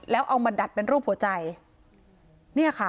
แล้วเอามาดัดเป็นรูปหัวใจ